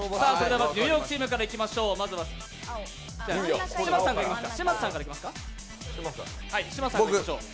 まずはニューヨークチーム、嶋佐さんからいきましょう。